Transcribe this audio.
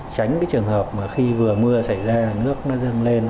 tránh trường hợp khi vừa mưa xảy ra nước dâng lên